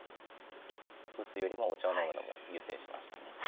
打つよりもお茶を飲むのを優先しました。